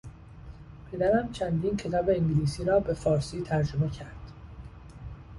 پدرم چندین کتاب انگلیسی را به فارسی ترجمه کرد.